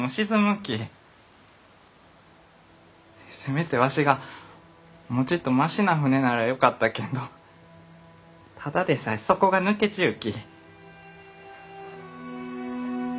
せめてわしがもうちっとましな舟ならよかったけんどただでさえ底が抜けちゅうき。